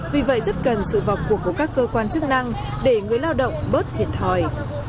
vì vậy rất cần sự vào cuộc của các cơ quan chức năng để người lao động bớt thiệt thòi